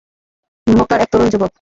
মক্কার এক তরুণ যুবক।